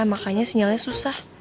makanya sinyalnya susah